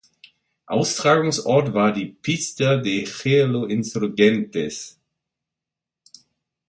Austragungsort war die Pista de Hielo Insurgentes.